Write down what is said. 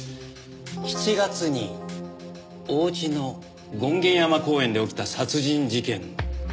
７月に王子の権現山公園で起きた殺人事件の。